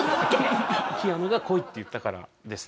キアヌが「来い」って言ったからです。